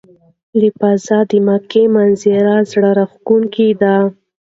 له فضا د مکې منظره د زړه راښکونکې ده.